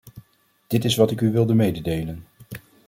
Dit is wat ik u wilde mededelen.